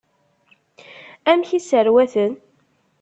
Amek i sserwaten?